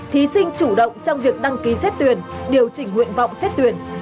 thí sinh chủ động trong việc đăng ký xét tuyển điều chỉnh nguyện vọng xét tuyển